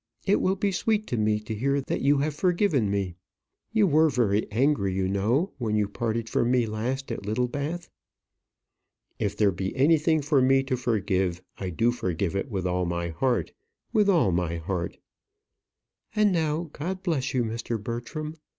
It will be sweet to me to hear that you have forgiven me. You were very angry, you know, when you parted from me last at Littlebath." "If there be anything for me to forgive, I do forgive it with all my heart; with all my heart." "And now, God bless you, Mr. Bertram.